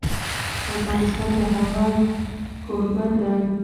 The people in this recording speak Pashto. افغانستان د هوا کوربه دی.